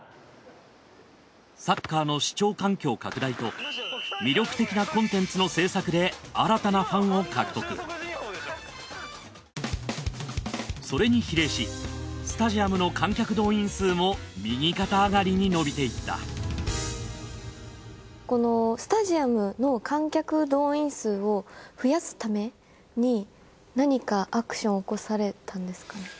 サッカーの視聴環境拡大と魅力的なコンテンツの制作で新たなファンを獲得それに比例しスタジアムの観客動員数も右肩上がりに伸びていったこのスタジアムの観客動員数を増やすために何かアクション起こされたんですか？